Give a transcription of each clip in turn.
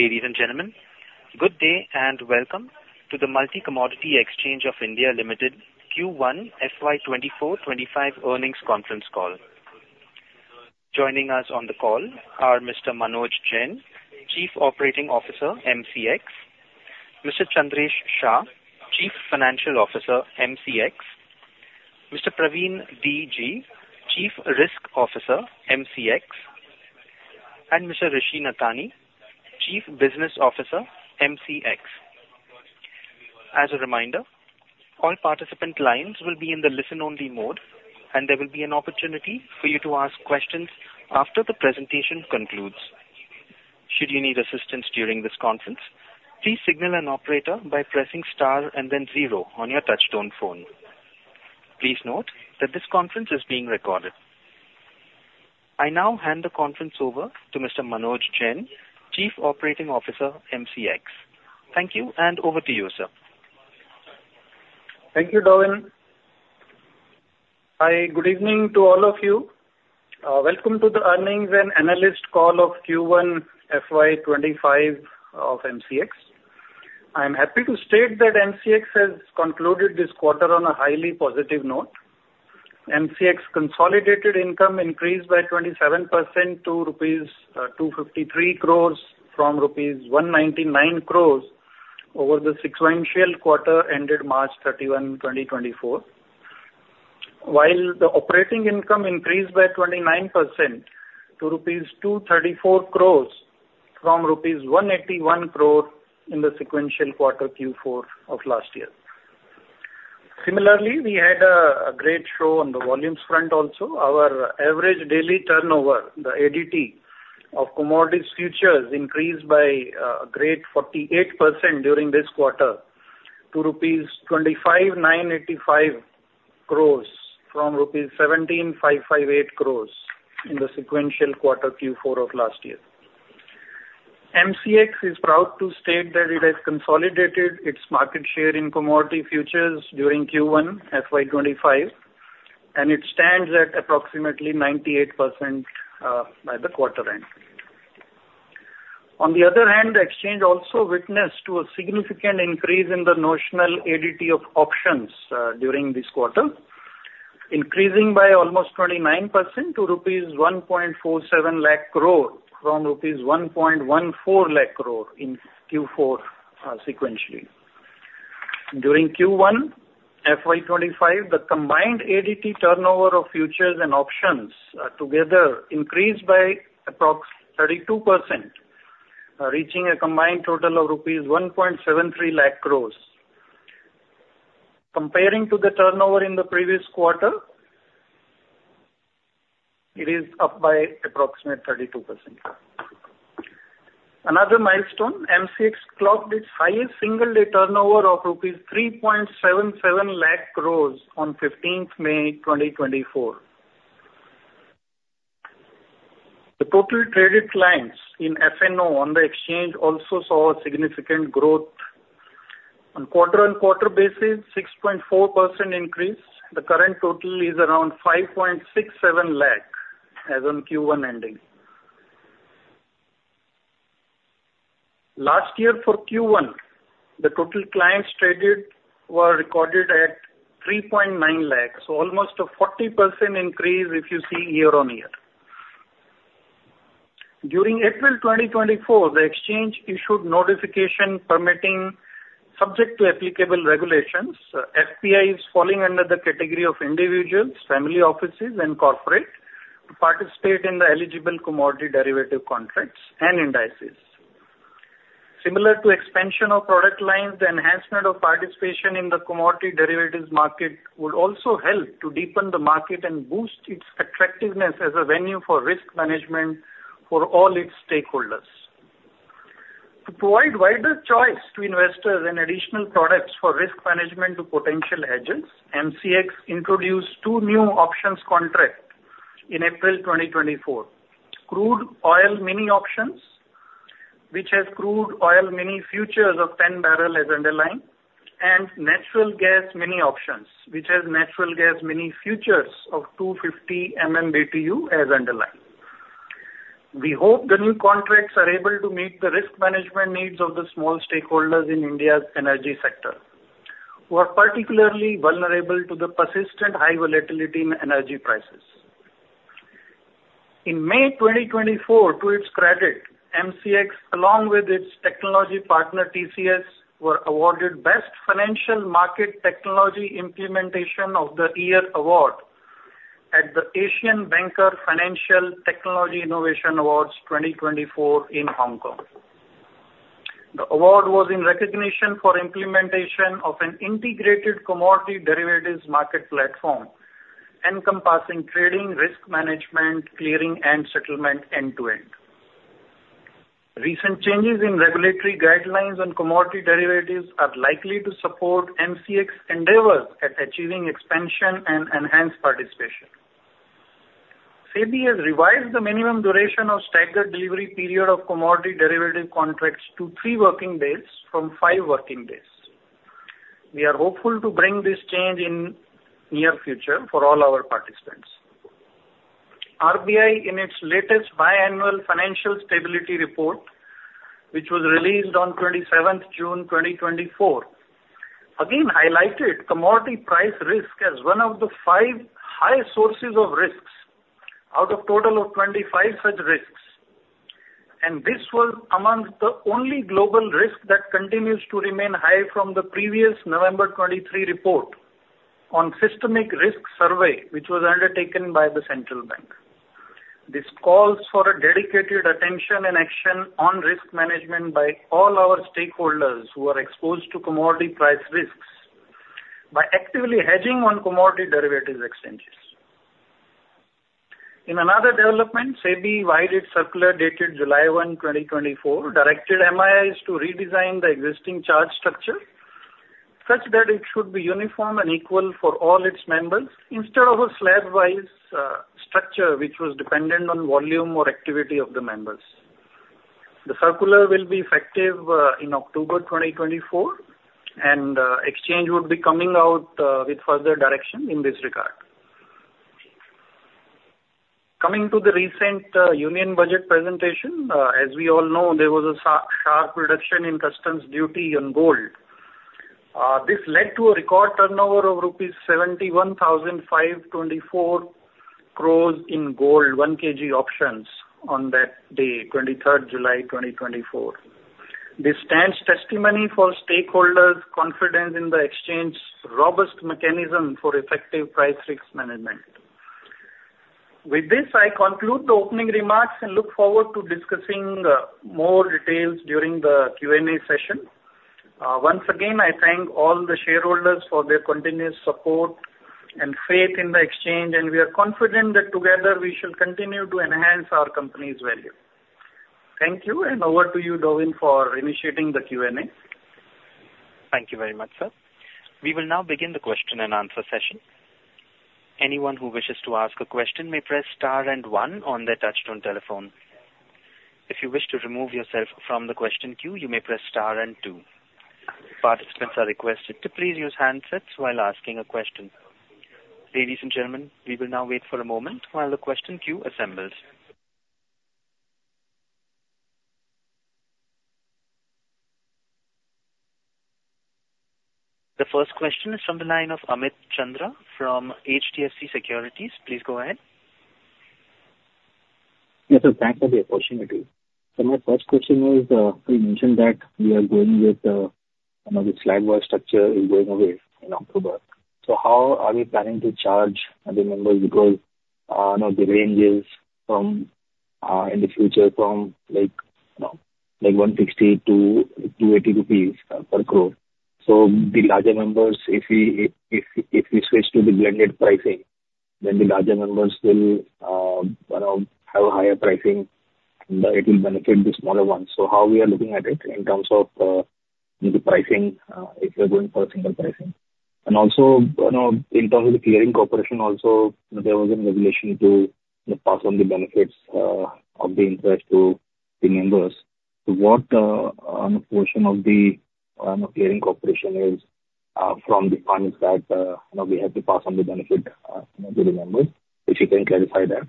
Ladies and gentlemen, good day and welcome to the Multi Commodity Exchange of India Limited Q1 FY 2024-2025 Earnings Conference Call. Joining us on the call are Mr. Manoj Jain, Chief Operating Officer, MCX; Mr. Chandresh Shah, Chief Financial Officer, MCX; Mr. Praveen D. G., Chief Risk Officer, MCX; and Mr. Rishi Nathany, Chief Business Officer, MCX. As a reminder, all participant lines will be in the listen-only mode, and there will be an opportunity for you to ask questions after the presentation concludes. Should you need assistance during this conference, please signal an operator by pressing star and then zero on your touch-tone phone. Please note that this conference is being recorded. I now hand the conference over to Mr. Manoj Jain, Chief Operating Officer, MCX. Thank you, and over to you, sir. Thank you, Darwin. Hi, good evening to all of you. Welcome to the earnings and analyst call of Q1 FY 2025 of MCX. I'm happy to state that MCX has concluded this quarter on a highly positive note. MCX consolidated income increased by 27% to rupees 253 crores from rupees 199 crores over the sequential quarter ended 31, March 2024, while the operating income increased by 29% to rupees 234 crores from rupees 181 crore in the sequential quarter Q4 of last year. Similarly, we had a great show on the volumes front also. Our average daily turnover, the ADT of commodities futures, increased by a great 48% during this quarter to rupees 25,985 crores from rupees 17,558 crores in the sequential quarter Q4 of last year. MCX is proud to state that it has consolidated its market share in commodity futures during Q1 FY 2025, and it stands at approximately 98% by the quarter end. On the other hand, the exchange also witnessed a significant increase in the notional ADT of options during this quarter, increasing by almost 29% to rupees 147,000 crore from rupees 114,000 crore in Q4 sequentially. During Q1 FY 2025, the combined ADT turnover of futures and options together increased by approximately 32%, reaching a combined total of rupees 173,000 crore. Comparing to the turnover in the previous quarter, it is up by approximately 32%. Another milestone, MCX clocked its highest single-day turnover of rupees 377,000 crore on 15th May 2024. The total traded clients in F&O on the exchange also saw a significant growth. On QoQ basis, 6.4% increase. The current total is around 5.67 lakh as on Q1 ending. Last year, for Q1, the total clients traded were recorded at 3.9 lakhs, almost a 40% increase if you see year-on-year. During April 2024, the exchange issued notification permitting, subject to applicable regulations, FPIs falling under the category of individuals, family offices, and corporate to participate in the eligible commodity derivative contracts and indices. Similar to expansion of product lines, the enhancement of participation in the commodity derivatives market would also help to deepen the market and boost its attractiveness as a venue for risk management for all its stakeholders. To provide wider choice to investors and additional products for risk management to potential hedges, MCX introduced 2 new options contracts in April 2024: Crude Oil Mini Options, which has Crude Oil Mini Futures of 10 barrels as underlying, and Natural Gas Mini Options, which has Natural Gas Mini Futures of 250 BTU as underlying. We hope the new contracts are able to meet the risk management needs of the small stakeholders in India's energy sector, who are particularly vulnerable to the persistent high volatility in energy prices. In May 2024, to its credit, MCX, along with its technology partner TCS, were awarded Best Financial Market Technology Implementation of the Year award at the Asian Banker Financial Technology Innovation Awards 2024 in Hong Kong. The award was in recognition for implementation of an integrated commodity derivatives market platform encompassing trading, risk management, clearing, and settlement end-to-end. Recent changes in regulatory guidelines on commodity derivatives are likely to support MCX's endeavors at achieving expansion and enhanced participation. SEBI has revised the minimum duration of staggered delivery period of commodity derivative contracts to 3 working days from 5 working days. We are hopeful to bring this change in the near future for all our participants. RBI, in its latest bi-annual financial stability report, which was released on 27th June 2024, again highlighted commodity price risk as one of the 5 highest sources of risks out of a total of 25 such risks. This was among the only global risk that continues to remain high from the previous November 2023 report on systemic risk survey, which was undertaken by the central bank. This calls for a dedicated attention and action on risk management by all our stakeholders who are exposed to commodity price risks by actively hedging on commodity derivatives exchanges. In another development, SEBI, via its circular dated July 1, 2024, directed MIIs to redesign the existing charge structure such that it should be uniform and equal for all its members instead of a slab-wise structure which was dependent on volume or activity of the members. The circular will be effective in October 2024, and the exchange would be coming out with further direction in this regard. Coming to the recent union budget presentation, as we all know, there was a sharp reduction in customs duty on gold. This led to a record turnover of rupees 71,524 crore in gold, 1 kg options, on that day, 23rd July 2024. This stands testimony for stakeholders' confidence in the exchange's robust mechanism for effective price risk management. With this, I conclude the opening remarks and look forward to discussing more details during the Q&A session. Once again, I thank all the shareholders for their continuous support and faith in the exchange, and we are confident that together we shall continue to enhance our company's value. Thank you, and over to you, Darwin, for initiating the Q&A. Thank you very much, sir. We will now begin the question and answer session. Anyone who wishes to ask a question may press star and one on their touch-tone telephone. If you wish to remove yourself from the question queue, you may press star and two. Participants are requested to please use handsets while asking a question. Ladies and gentlemen, we will now wait for a moment while the question queue assembles. The first question is from the line of Amit Chandra from HDFC Securities. Please go ahead. Yes, sir. Thanks for the opportunity. So my first question is, you mentioned that we are going with the slab-wise structure is going away in October. So how are we planning to charge the members because the range is in the future from 160-280 rupees per crore? So the larger members, if we switch to the blended pricing, then the larger members will have a higher pricing, and it will benefit the smaller ones. So how are we looking at it in terms of the pricing if we are going for a single pricing? And also, in terms of the clearing corporation, also there was a regulation to pass on the benefits of the interest to the members. So what portion of the clearing corporation is from the funds that we have to pass on the benefit to the members? If you can clarify that.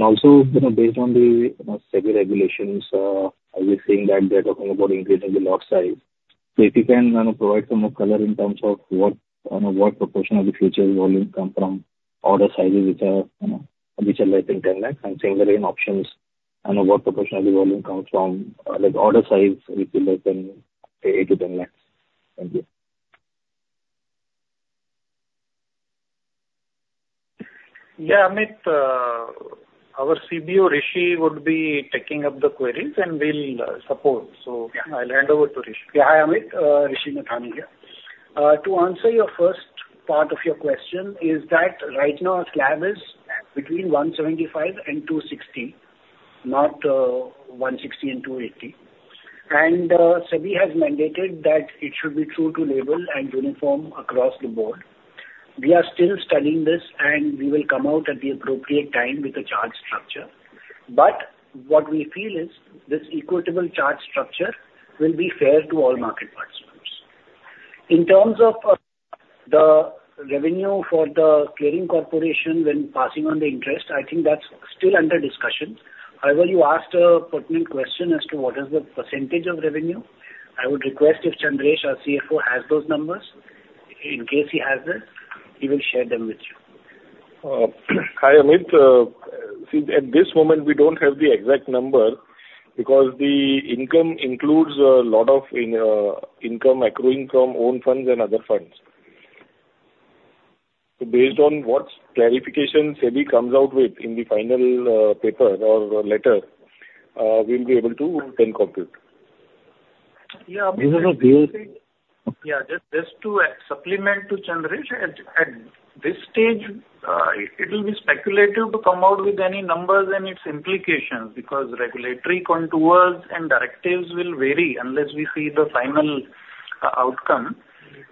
Also, based on the SEBI regulations, we're seeing that they're talking about increasing the lot size. So if you can provide some more color in terms of what proportion of the futures volume comes from order sizes, which are, I think, 10 lakh, and singles and options, what proportion of the volume comes from order size, which is less than 8 lakh-10 lakh. Thank you. Yeah, Amit. Our CBO, Rishi, would be taking up the queries, and we'll support. So I'll hand over to Rishi. Yeah, hi, Amit. Rishi Nathani here. To answer your first part of your question, is that right now, a slab is between 175 and 260, not 160 and 280. SEBI has mandated that it should be true to label and uniform across the board. We are still studying this, and we will come out at the appropriate time with the charge structure. But what we feel is this equitable charge structure will be fair to all market participants. In terms of the revenue for the clearing corporation when passing on the interest, I think that's still under discussion. However, you asked a pertinent question as to what is the percentage of revenue. I would request if Chandrish, our CFO, has those numbers. In case he has them, he will share them with you. Hi, Amit. See, at this moment, we don't have the exact number because the income includes a lot of income accruing from own funds and other funds. So based on what clarification CBI comes out with in the final paper or letter, we'll be able to then compute. Yeah, Amit. Yeah, just to supplement to Chandrish, at this stage, it will be speculative to come out with any numbers and its implications because regulatory contours and directives will vary unless we see the final outcome.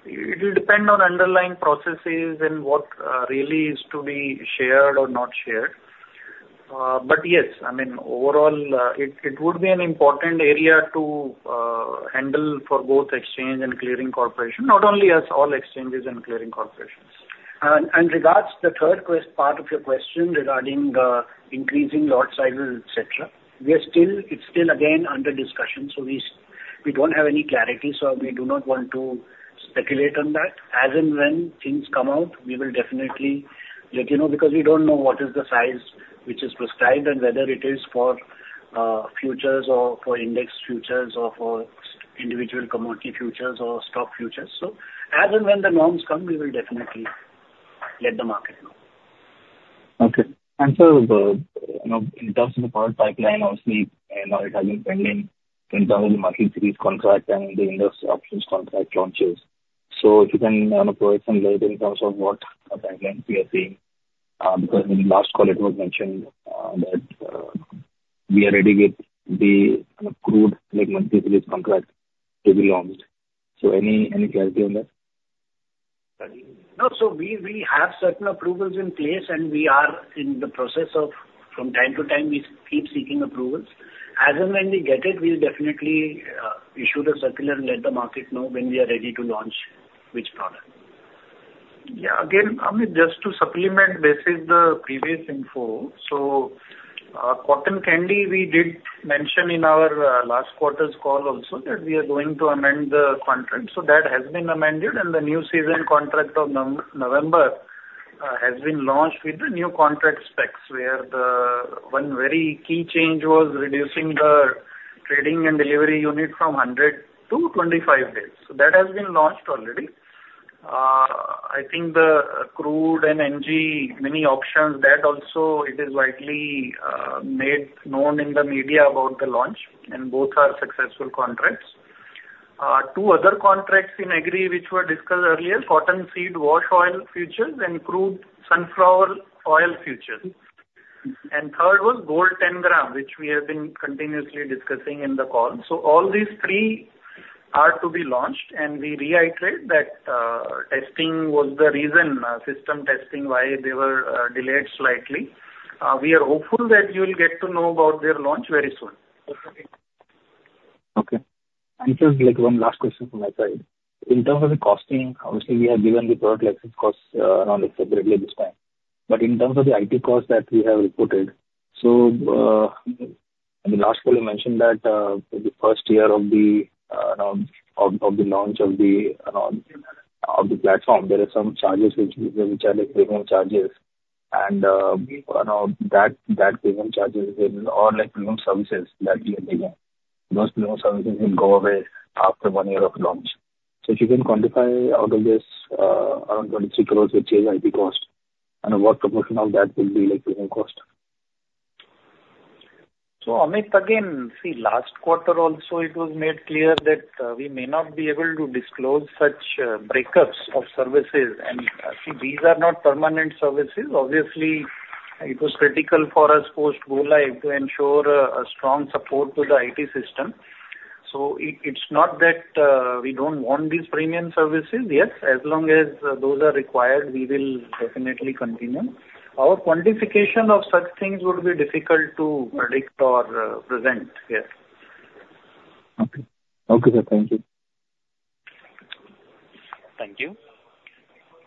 It will depend on underlying processes and what really is to be shared or not shared. But yes, I mean, overall, it would be an important area to handle for both exchange and clearing corporation, not only as all exchanges and clearing corporations. And regards to the third part of your question regarding the increasing lot sizes, etc., it's still again under discussion. So we don't have any clarity, so we do not want to speculate on that. As and when things come out, we will definitely let you know because we don't know what is the size which is prescribed and whether it is for futures or for index futures or for individual commodity futures or stock futures. As and when the norms come, we will definitely let the market know. Okay. And so, in terms of the power pipeline, obviously, it has been pending in terms of the monthly series contract and the index options contract launches. So if you can provide some data in terms of what pipelines we are seeing because in the last call, it was mentioned that we are ready with the crude monthly series contract to be launched. So any clarity on that? No. So we have certain approvals in place, and we are in the process of, from time to time, we keep seeking approvals. As and when we get it, we'll definitely issue the circular and let the market know when we are ready to launch which product. Yeah. Again, Amit, just to supplement basically the previous info, so Cotton Candy, we did mention in our last quarter's call also that we are going to amend the contract. So that has been amended, and the new season contract of November has been launched with the new contract specs where one very key change was reducing the trading and delivery unit from 100 to 25 candies. So that has been launched already. I think the Crude and NG mini options, that also, it is widely made known in the media about the launch, and both are successful contracts. Two other contracts in agri which were discussed earlier, Cottonseed Wash Oil Futures and Crude Sunflower Oil Futures. And third was Gold 10 gram, which we have been continuously discussing in the call. So all these three are to be launched, and we reiterate that testing was the reason, system testing why they were delayed slightly. We are hopeful that you will get to know about their launch very soon. Okay. And just one last question from my side. In terms of the costing, obviously, we have given the product license cost separately this time. But in terms of the IT cost that we have reported, so in the last call, you mentioned that the first year of the launch of the platform, there are some charges which are premium charges. And that premium charges will all premium services that you are taking. Those premium services will go away after one year of launch. So if you can quantify out of this around 23 crore, which is IT cost, what proportion of that would be premium cost? So, Amit, again, see, last quarter also, it was made clear that we may not be able to disclose such breakups of services. And see, these are not permanent services. Obviously, it was critical for us post-Goola to ensure a strong support to the IT system. So it's not that we don't want these premium services. Yes, as long as those are required, we will definitely continue. Our quantification of such things would be difficult to predict or present here. Okay. Okay, sir. Thank you. Thank you.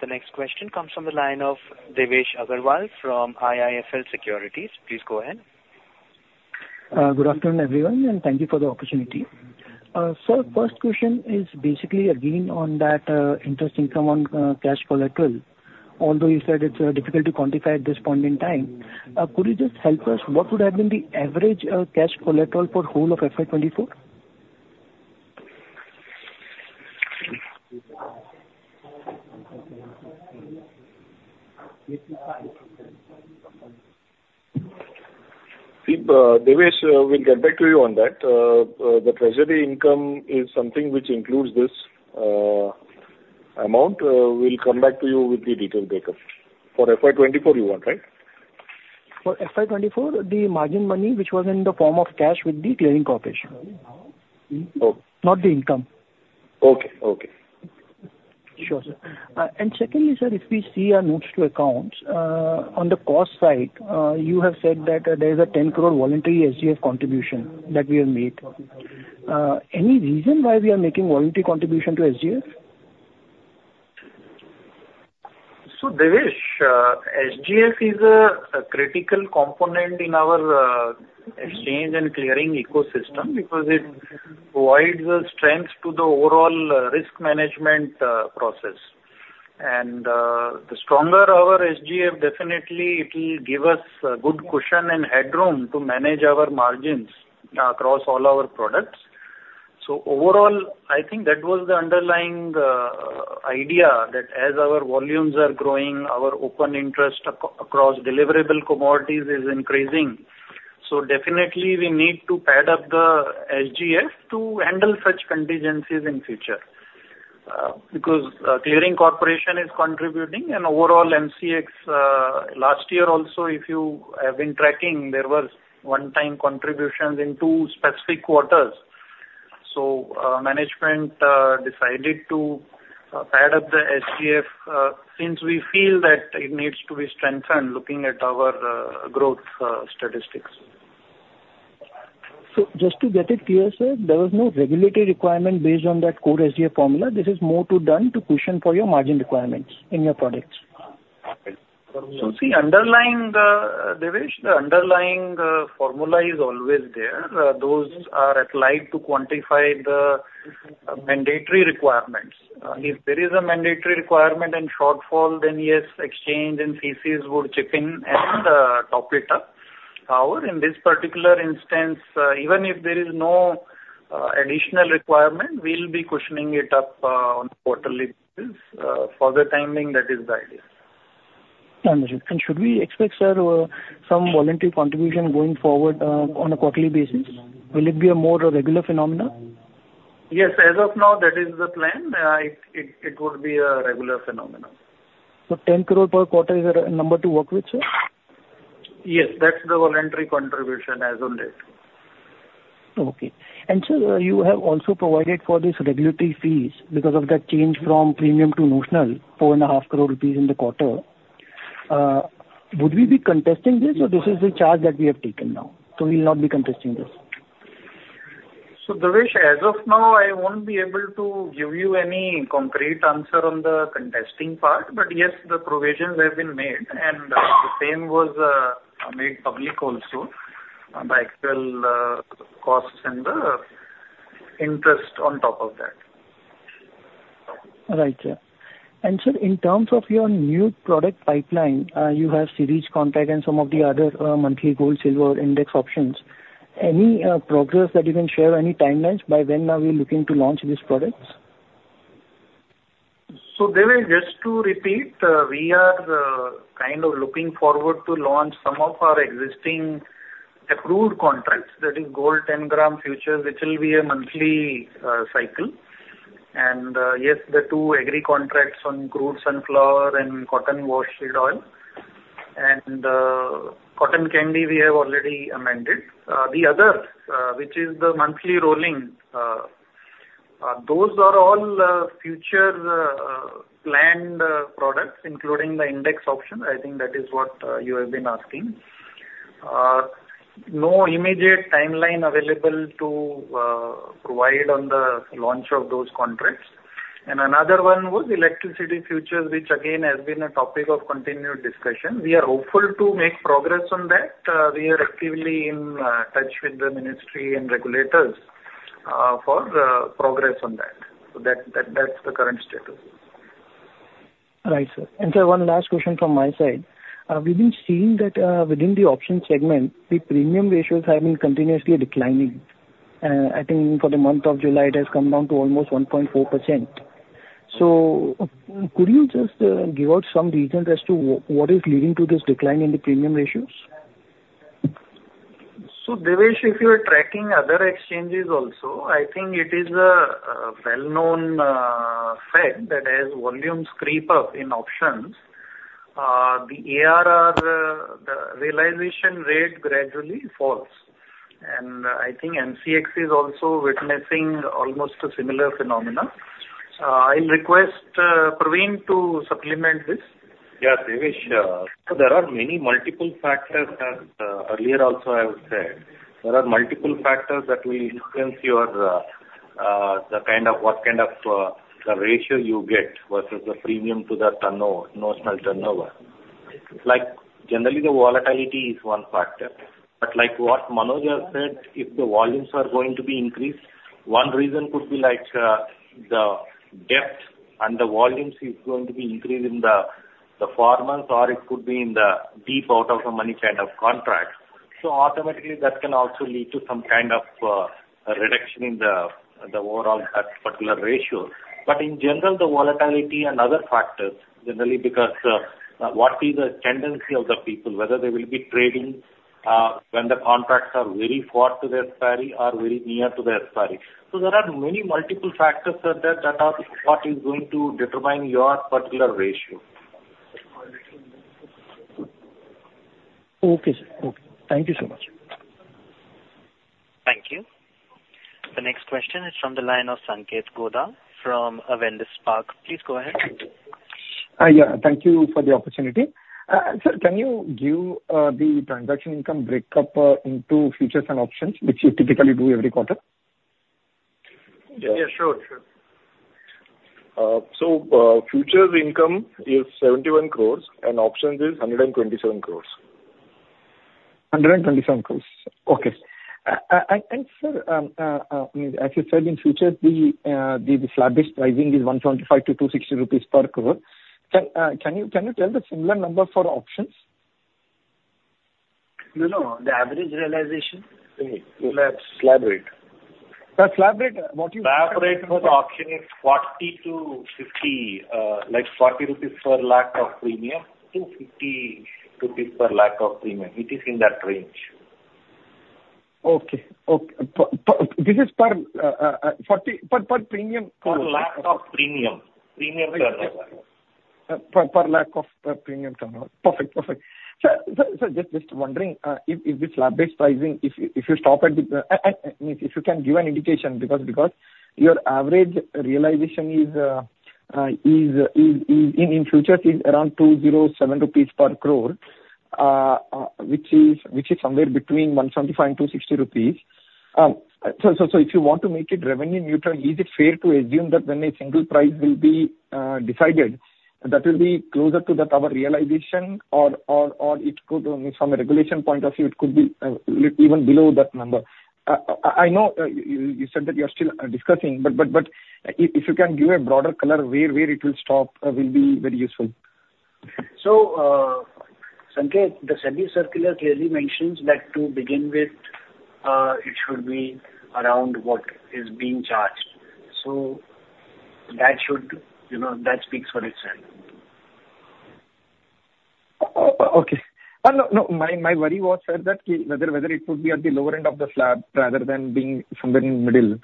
The next question comes from the line of Devesh Agarwal from IIFL Securities. Please go ahead. Good afternoon, everyone, and thank you for the opportunity. So first question is basically again on that interest income on cash collateral. Although you said it's difficult to quantify at this point in time, could you just help us? What would have been the average cash collateral for the whole of FY2024? Devesh, we'll get back to you on that. The treasury income is something which includes this amount. We'll come back to you with the detailed breakup. For FY2024, you want, right? For FY2024, the margin money, which was in the form of cash with the clearing corporation. Not the income. Okay. Okay. Sure, sir. And secondly, sir, if we see our notes to accounts, on the cost side, you have said that there is a 10 crore voluntary SGF contribution that we have made. Any reason why we are making voluntary contribution to SGF? So Devesh, SGF is a critical component in our exchange and clearing ecosystem because it provides strength to the overall risk management process. And the stronger our SGF, definitely, it will give us good cushion and headroom to manage our margins across all our products. So overall, I think that was the underlying idea that as our volumes are growing, our open interest across deliverable commodities is increasing. So definitely, we need to pad up the SGF to handle such contingencies in future because Clearing Corporation is contributing, and overall, MCX last year also, if you have been tracking, there was one-time contributions in two specific quarters. So management decided to pad up the SGF since we feel that it needs to be strengthened looking at our growth statistics. So just to get it clear, sir, there was no regulatory requirement based on that core SGF formula. This is more to do to cushion for your margin requirements in your products. So see, underlying, Devesh, the underlying formula is always there. Those are applied to quantify the mandatory requirements. If there is a mandatory requirement and shortfall, then yes, exchange and CCs would chip in and top it up. However, in this particular instance, even if there is no additional requirement, we'll be cushioning it up on quarterly basis for the timing that is guided. Should we expect, sir, some voluntary contribution going forward on a quarterly basis? Will it be a more regular phenomenon? Yes. As of now, that is the plan. It would be a regular phenomenon. 10 crore per quarter is a number to work with, sir? Yes. That's the voluntary contribution as of late. Okay. Sir, you have also provided for this regulatory fees because of that change from premium to notional, 4.5 crore rupees in the quarter. Would we be contesting this, or this is the charge that we have taken now? We'll not be contesting this. So Devesh, as of now, I won't be able to give you any concrete answer on the contesting part, but yes, the provisions have been made, and the same was made public also by actual costs and the interest on top of that. Right, sir. And sir, in terms of your new product pipeline, you have series contract and some of the other monthly gold, silver, index options. Any progress that you can share, any timelines by when are we looking to launch these products? So Devesh, just to repeat, we are kind of looking forward to launch some of our existing agri contracts. That is gold 10 gram futures, which will be a monthly cycle. Yes, the two agri contracts on crude sunflower oil Cottonseed Wash Oil. and cotton candy, we have already amended. The other, which is the monthly rolling, those are all future planned products, including the index options. I think that is what you have been asking. No immediate timeline available to provide on the launch of those contracts. And another one was electricity futures, which again has been a topic of continued discussion. We are hopeful to make progress on that. We are actively in touch with the ministry and regulators for progress on that. So that's the current status. Right, sir. Sir, one last question from my side. We've been seeing that within the options segment, the premium ratios have been continuously declining. I think for the month of July, it has come down to almost 1.4%. Could you just give out some reasons as to what is leading to this decline in the premium ratios? Devesh, if you are tracking other exchanges also, I think it is a well-known fact that as volumes creep up in options, the realization rate gradually falls. I think MCX is also witnessing almost a similar phenomenon. I'll request Praveen to supplement this. Yeah, Devesh. So there are many multiple factors, as earlier also I have said. There are multiple factors that will influence your kind of what kind of ratio you get versus the premium to the notional turnover. Generally, the volatility is one factor. But like what Manoj has said, if the volumes are going to be increased, one reason could be like the depth and the volumes is going to be increased in the formats, or it could be in the deep out-of-the-money kind of contracts. So automatically, that can also lead to some kind of reduction in the overall particular ratio. But in general, the volatility and other factors, generally because what is the tendency of the people, whether they will be trading when the contracts are very far to the expiry or very near to the expiry. There are many multiple factors that are what is going to determine your particular ratio. Okay, sir. Okay. Thank you so much. Thank you. The next question is from the line of Sankheth Godha from Avendus Spark. Please go ahead. Yeah. Thank you for the opportunity. Sir, can you give the transaction income breakup into futures and options, which you typically do every quarter? Yeah. Sure, sure. Futures income is 71 crores, and options is 127 crores. 127 crore. Okay. Sir, as you said, in futures, the slab-wise pricing is 125-260 rupees per crore. Can you tell the similar number for options? No, no. The average realization? Slabb rate. Slab rate. What you? Slab rate for option is 40-50, like 40 rupees per lakh of premium to 50 rupees per lakh of premium. It is in that range. Okay. This is per premium? Per lakh of premium. Premium turnover. the lack of premium turnover. Perfect. Perfect. Sir, just wondering if the slab-wise pricing, if you can give an indication because your average realization in futures is around 207 rupees per crore, which is somewhere between 175-260 rupees. So if you want to make it revenue neutral, is it fair to assume that when a single price will be decided, that will be closer to our realization, or it could, from a regulation point of view, it could be even below that number? I know you said that you're still discussing, but if you can give a broader color where it will stop, it will be very useful. Sankheth, the SEBI circular clearly mentions that to begin with, it should be around what is being charged. That speaks for itself. Okay. No, my worry was, sir, that whether it could be at the lower end of the slab rather than being somewhere in the middle.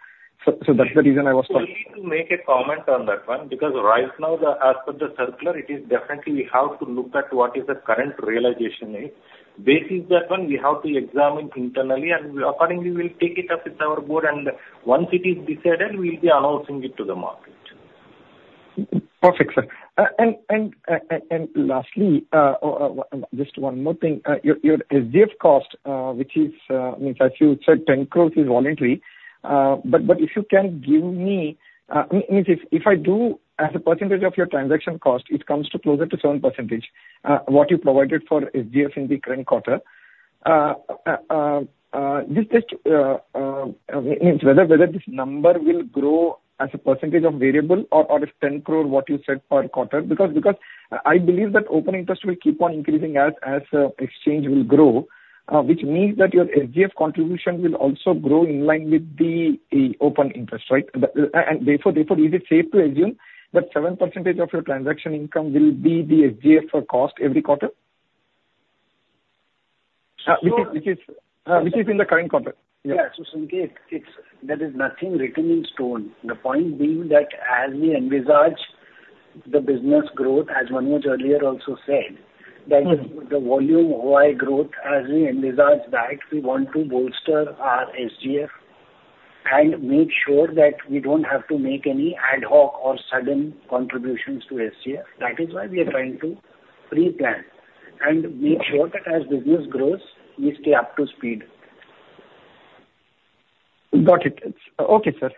So that's the reason I was. I need to make a comment on that one because right now, as per the circular, it is definitely we have to look at what is the current realization rate. Based on that one, we have to examine internally, and accordingly, we'll take it up with our board, and once it is decided, we'll be announcing it to the market. Perfect, sir. And lastly, just one more thing. Your SGF cost, which is, as you said, 10 crore is voluntary. But if you can give me if I do, as a percentage of your transaction cost, it comes to closer to 7%, what you provided for SGF in the current quarter. Just whether this number will grow as a percentage of variable or as 10 crore, what you said per quarter, because I believe that open interest will keep on increasing as exchange will grow, which means that your SGF contribution will also grow in line with the open interest, right? And therefore, is it safe to assume that 7% of your transaction income will be the SGF cost every quarter, which is in the current quarter? Yeah. So Sankheth, there is nothing written in stone. The point being that as we envisage the business growth, as Manoj earlier also said, that the volume OI growth, as we envisage that, we want to bolster our SGF and make sure that we don't have to make any ad hoc or sudden contributions to SGF. That is why we are trying to pre-plan and make sure that as business grows, we stay up to speed. Got it. Okay, sir.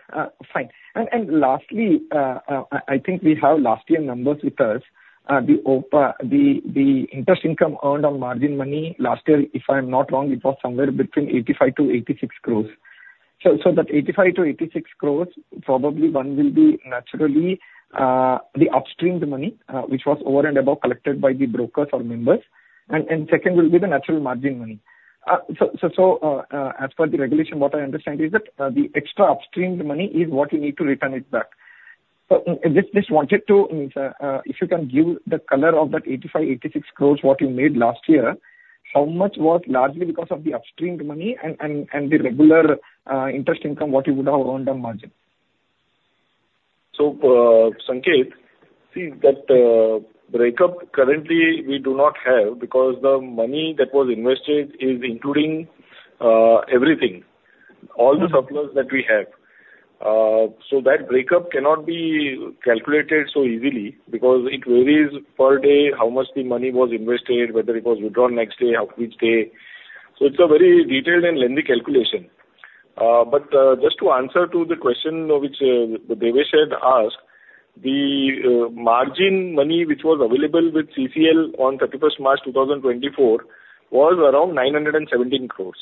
Fine. And lastly, I think we have last year's numbers with us. The interest income earned on margin money last year, if I'm not wrong, it was somewhere between 85-86 crore. So that 85-86 crore, probably one will be naturally the upstream money, which was over and above collected by the brokers or members. And second will be the natural margin money. So as per the regulation, what I understand is that the extra upstream money is what you need to return it back. So just wanted to, if you can give the color of that 85-86 crore what you made last year, how much was largely because of the upstream money and the regular interest income what you would have earned on margin? So Sankheth, see, that breakup currently we do not have because the money that was invested is including everything, all the surplus that we have. So that breakup cannot be calculated so easily because it varies per day how much the money was invested, whether it was withdrawn next day, which day. So it's a very detailed and lengthy calculation. But just to answer to the question which Devesh had asked, the margin money which was available with CCL on 31st March 2024 was around 917 crore.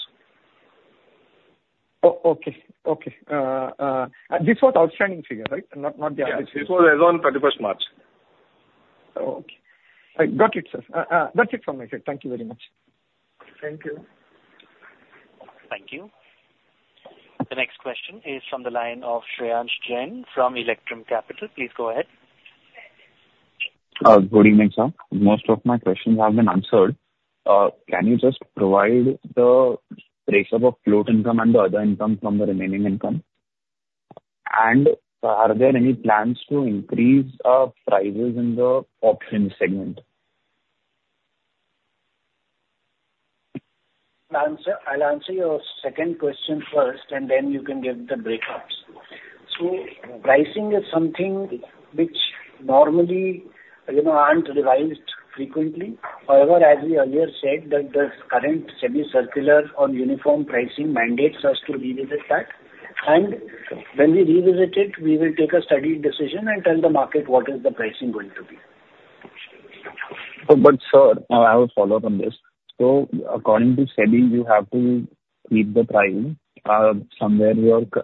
Okay. Okay. This was outstanding figure, right? Not the average. Yes. This was as of 31st March. Okay. Got it, sir. That's it from my side. Thank you very much. Thank you. Thank you. The next question is from the line of Shreyansh Jain from Electrum Capital. Please go ahead. Good evening, sir. Most of my questions have been answered. Can you just provide the ratio of float income and the other income from the remaining income? And are there any plans to increase prices in the options segment? I'll answer your second question first, and then you can give the breakouts. So pricing is something which normally aren't revised frequently. However, as we earlier said, that the current SEBI circular on uniform pricing mandates us to revisit that. And when we revisit it, we will take a studied decision and tell the market what is the pricing going to be. Sir, I will follow up on this. According to SEBI, you have to keep the price somewhere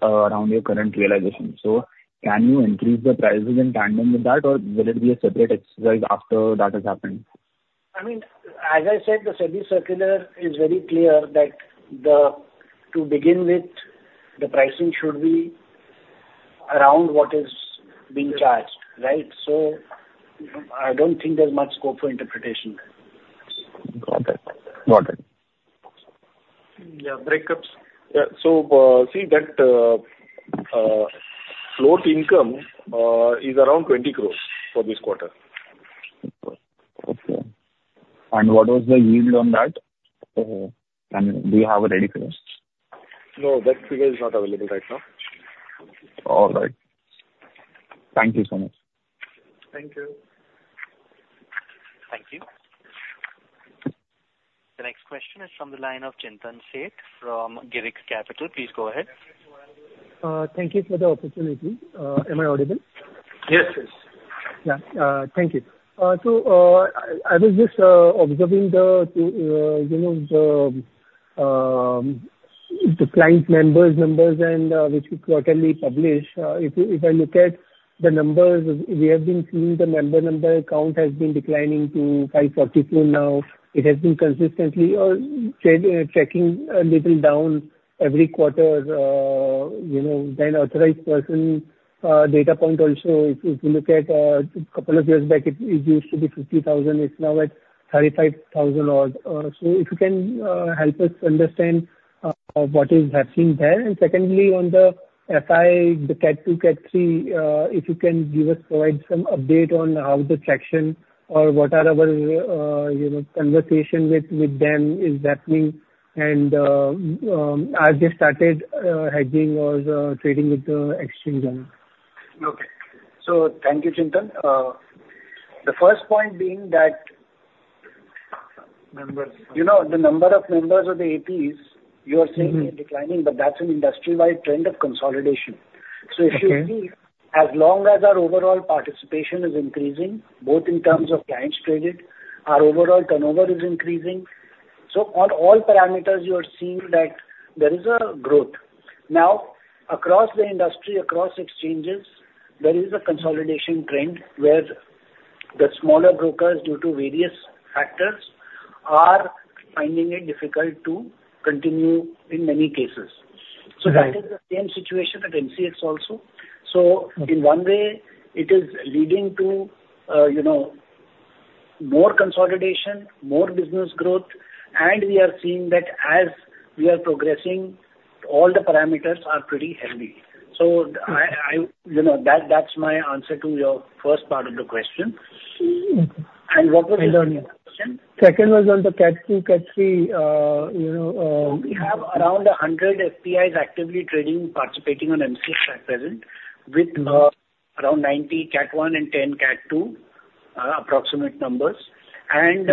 around your current realization. Can you increase the prices in tandem with that, or will it be a separate exercise after that has happened? I mean, as I said, the SEBI circular is very clear that to begin with, the pricing should be around what is being charged, right? I don't think there's much scope for interpretation. Got it. Got it. Yeah. Breakups. Yeah. So see, that float income is around 20 crore for this quarter. Okay. And what was the yield on that? And do you have a ready figure? No, that figure is not available right now. All right. Thank you so much. Thank you. Thank you. The next question is from the line of Chintan Seth from Girik Capital. Please go ahead. Thank you for the opportunity. Am I audible? Yes, yes. Yeah. Thank you. So I was just observing the client members' numbers and which we quarterly publish. If I look at the numbers, we have been seeing the member number count has been declining to 544 now. It has been consistently ticking a little down every quarter. Then authorized person data point also, if you look at a couple of years back, it used to be 50,000. It's now at 35,000. So if you can help us understand what is happening there. And secondly, on the FI, the Cat 2, Cat 3, if you can give us, provide some update on how the traction or what our conversation with them is happening and as they started hedging or trading with the exchange on it. Okay. So thank you, Chintan. The first point being that the number of members of the APs, you are saying they are declining, but that's an industry-wide trend of consolidation. So if you see, as long as our overall participation is increasing, both in terms of clients traded, our overall turnover is increasing. So on all parameters, you are seeing that there is a growth. Now, across the industry, across exchanges, there is a consolidation trend where the smaller brokers, due to various factors, are finding it difficult to continue in many cases. So that is the same situation at MCX also. So in one way, it is leading to more consolidation, more business growth, and we are seeing that as we are progressing, all the parameters are pretty heavy. So that's my answer to your first part of the question. And what was the learning? Second was on the Cat 2, Cat 3. We have around 100 FPIs actively trading, participating on MCX at present, with around 90 Cat 1 and 10 Cat 2 approximate numbers, and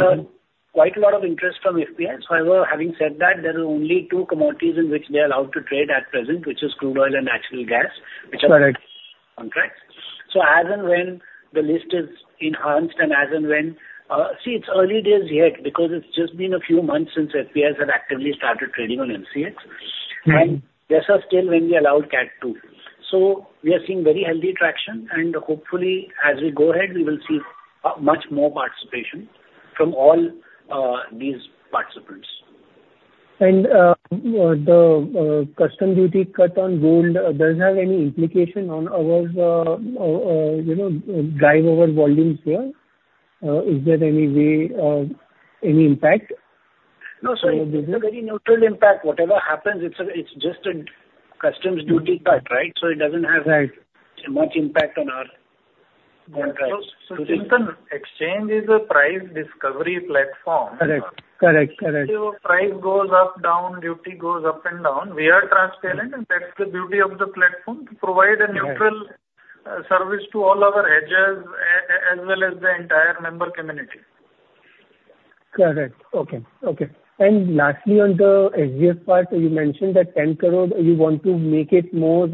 quite a lot of interest from FPIs. However, having said that, there are only two commodities in which they are allowed to trade at present, which is crude oil and natural gas, which are contracted. So as and when the list is enhanced, and as and when see, it's early days yet because it's just been a few months since FPIs have actively started trading on MCX. And just as still, when we allowed Cat 2. So we are seeing very healthy traction, and hopefully, as we go ahead, we will see much more participation from all these participants. The customs duty cut on gold, does it have any implication on our drive over volumes here? Is there any impact? No, sir. It's a very neutral impact. Whatever happens, it's just a customs duty cut, right? So it doesn't have much impact on our contracts. Chintan, exchange is a price discovery platform. Correct. Correct. Correct. If your price goes up, down, duty goes up and down, we are transparent, and that's the beauty of the platform, to provide a neutral service to all our hedgers as well as the entire member community. Correct. Okay. Okay. And lastly, on the SGF part, you mentioned that 10 crore, you want to make it more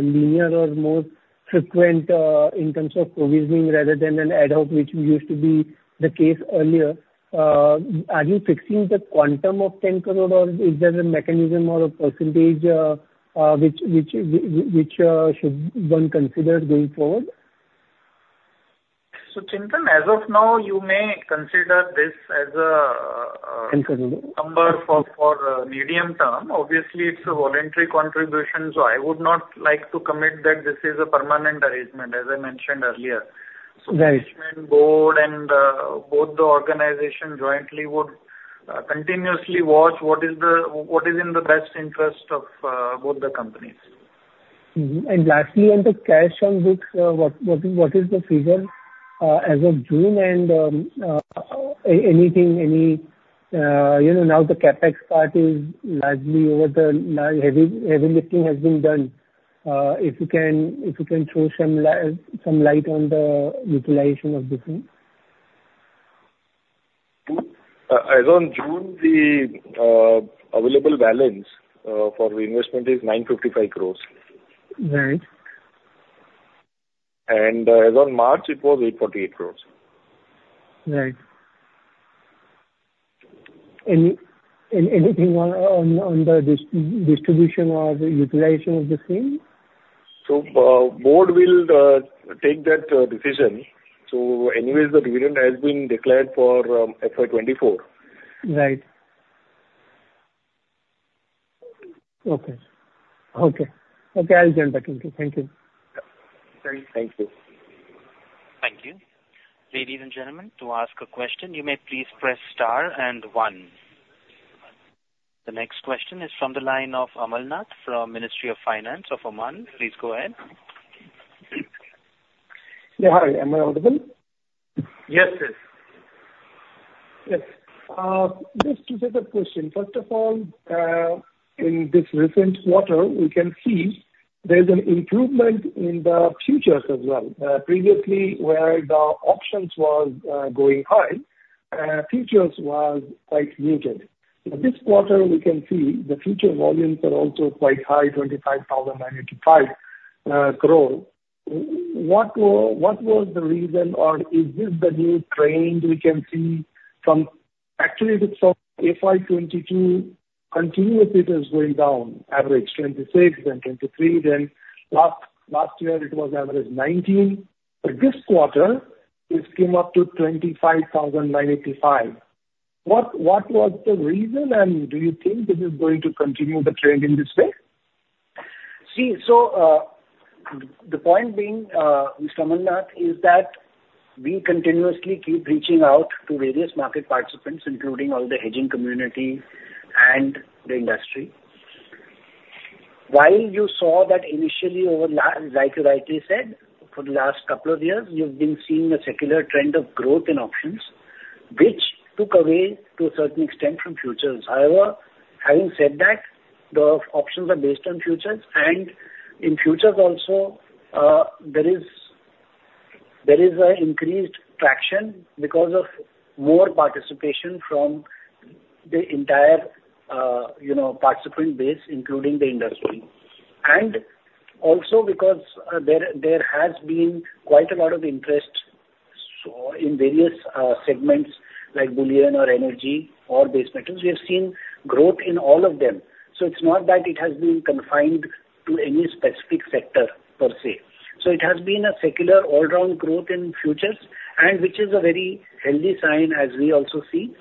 linear or more frequent in terms of provisioning rather than an ad hoc, which used to be the case earlier. Are you fixing the quantum of 10 crore, or is there a mechanism or a percentage which should one consider going forward? So Chintan, as of now, you may consider this as a number for medium term. Obviously, it's a voluntary contribution, so I would not like to commit that this is a permanent arrangement, as I mentioned earlier. So the management board and both the organization jointly would continuously watch what is in the best interest of both the companies. Lastly, on the cash on books, what is the figure as of June? Anything, any now the CapEx part is largely over, the heavy lifting has been done. If you can throw some light on the utilization of this one. As of June, the available balance for reinvestment is 955 crores. Right. As of March, it was 848 crore. Right. Anything on the distribution or utilization of the same? Board will take that decision. Anyway, the dividend has been declared for FY2024. Right. Okay. Okay. Okay. I'll join back in. Thank you. Thank you. Thank you. Ladies and gentlemen, to ask a question, you may please press star and one. The next question is from the line of Amarnath from Ministry of Finance of Oman. Please go ahead. Yeah. Hi. Am I audible? Yes, sir. Yes. Just two separate questions. First of all, in this recent quarter, we can see there's an improvement in the futures as well. Previously, where the options was going high, futures was quite muted. But this quarter, we can see the future volumes are also quite high, 25,985 crore. What was the reason, or is this the new trend we can see, actually from FY22, continuously it is going down, average 26 then 23, then last year it was average 19. But this quarter, it came up to 25,985 crore. What was the reason, and do you think it is going to continue the trend in this way? See, so the point being, Mr. Amarnath, is that we continuously keep reaching out to various market participants, including all the hedging community and the industry. While you saw that initially, like you rightly said, for the last couple of years, you've been seeing a secular trend of growth in options, which took away to a certain extent from futures. However, having said that, the options are based on futures, and in futures also, there is an increased traction because of more participation from the entire participant base, including the industry. And also because there has been quite a lot of interest in various segments like bullion or energy or base metals, we have seen growth in all of them. So it's not that it has been confined to any specific sector per se. It has been a secular all-round growth in futures, which is a very healthy sign as we also see.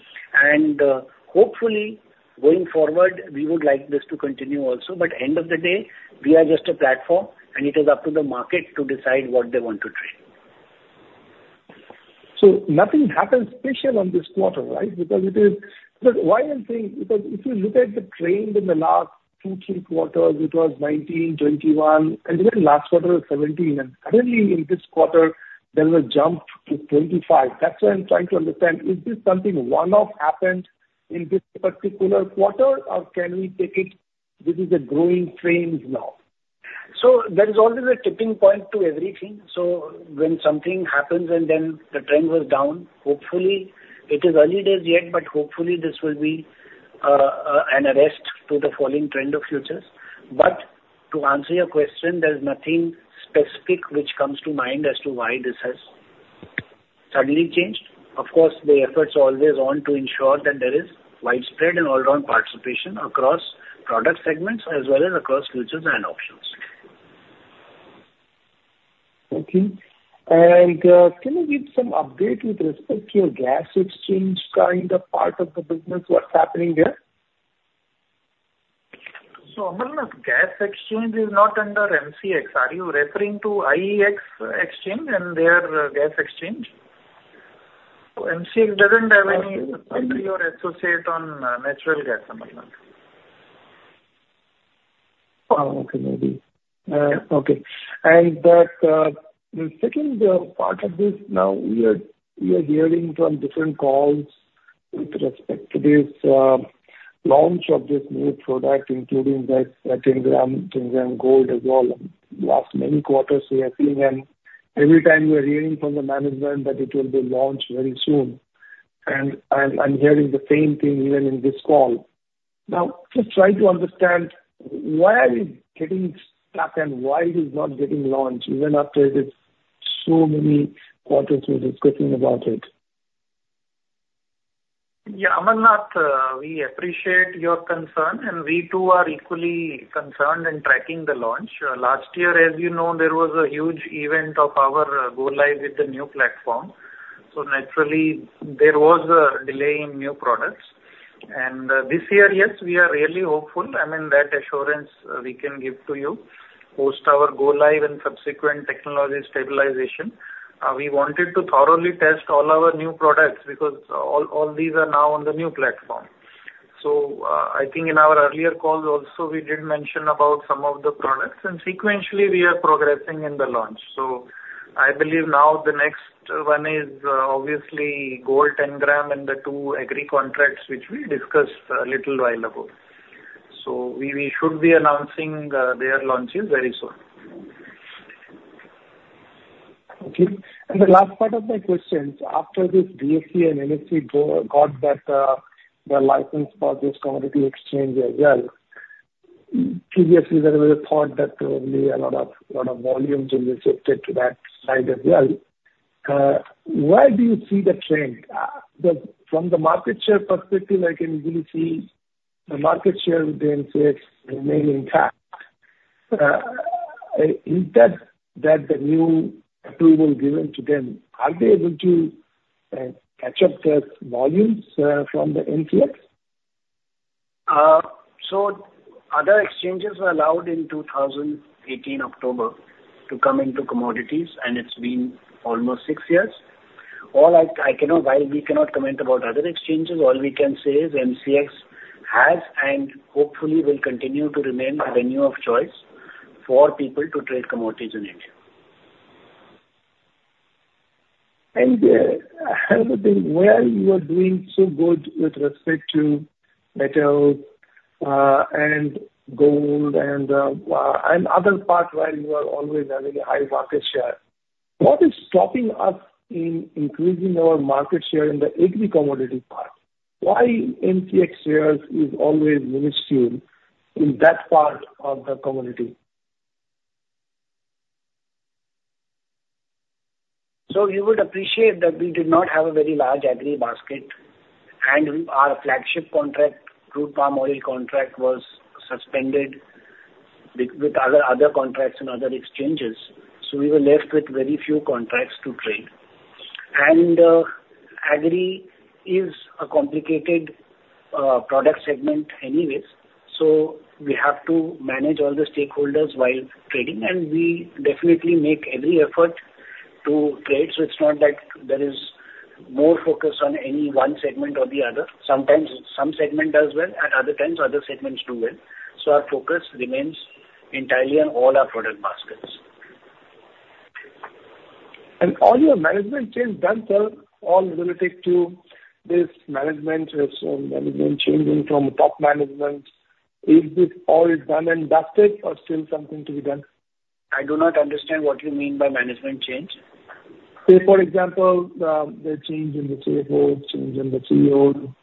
Hopefully, going forward, we would like this to continue also. End of the day, we are just a platform, and it is up to the market to decide what they want to trade. So nothing happens special on this quarter, right? Because it is why I'm saying because if you look at the trend in the last two, three quarters, it was 19, 21, and then last quarter was 17. And suddenly in this quarter, there was a jump to 25. That's why I'm trying to understand, is this something one-off happened in this particular quarter, or can we take it this is a growing trend now? So there is always a tipping point to everything. So when something happens and then the trend goes down, hopefully, it is early days yet, but hopefully this will be an arrest to the falling trend of futures. But to answer your question, there's nothing specific which comes to mind as to why this has suddenly changed. Of course, the efforts are always on to ensure that there is widespread and all-round participation across product segments as well as across futures and options. Thank you. Can you give some update with respect to your gas exchange kind of part of the business, what's happening there? So Amarnath, gas exchange is not under MCX. Are you referring to IEX exchange and their gas exchange? So MCX doesn't have any partner or associate on natural gas, Amarnath. Oh, okay. Maybe. Okay. And the second part of this, now we are hearing from different calls with respect to this launch of this new product, including that 10 gram, 10 gram Gold as well. The last many quarters we have seen them, every time we are hearing from the management that it will be launched very soon. And I'm hearing the same thing even in this call. Now, just try to understand why are we getting stuck and why it is not getting launched, even after there's so many quarters we're discussing about it? Yeah. Amarnath, we appreciate your concern, and we too are equally concerned in tracking the launch. Last year, as you know, there was a huge event of our Go Live with the new platform. So naturally, there was a delay in new products. And this year, yes, we are really hopeful. I mean, that assurance we can give to you post our Go Live and subsequent technology stabilization. We wanted to thoroughly test all our new products because all these are now on the new platform. So I think in our earlier calls also, we did mention about some of the products, and sequentially, we are progressing in the launch. So I believe now the next one is obviously gold 10 gram, and the two agri contracts which we discussed a little while ago. So we should be announcing their launches very soon. Okay. And the last part of my question, after this BSE and NSE got back the license for this commodity exchange as well, previously, there was a thought that there will be a lot of volumes in the shifted to that side as well. Where do you see the trend? From the market share perspective, I can easily see the market share with the NCX remaining intact. Is that the new approval given to them? Are they able to catch up the volumes from the NCX? So other exchanges were allowed in October 2018 to come into commodities, and it's been almost six years. While we cannot comment about other exchanges, all we can say is MCX has and hopefully will continue to remain the venue of choice for people to trade commodities in India. The other thing, where you are doing so good with respect to metal and gold and other parts where you are always having a high market share, what is stopping us in increasing our market share in the agri commodity part? Why MCX shares is always minuscule in that part of the commodity? You would appreciate that we did not have a very large agri basket, and our flagship contract, crude palm oil contract, was suspended with other contracts and other exchanges. We were left with very few contracts to trade. Agri is a complicated product segment anyways. We have to manage all the stakeholders while trading, and we definitely make every effort to trade. It's not that there is more focus on any one segment or the other. Sometimes some segment does well, and other times other segments do well. Our focus remains entirely on all our product baskets. All your management change, that's all related to this management changing from top management. Is this all done and dusted, or still something to be done? I do not understand what you mean by management change. Say for example, the change in the CFO, change in the CEO,